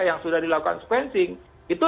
yang sudah dilakukan sequencing itu